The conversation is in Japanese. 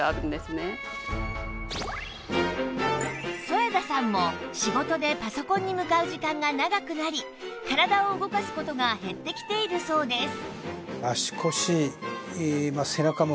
添田さんも仕事でパソコンに向かう時間が長くなり体を動かす事が減ってきているそうです